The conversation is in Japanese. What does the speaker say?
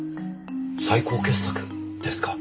最高傑作ですか。